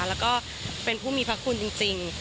แล้วก็เป็นผู้มีพระคุณจริง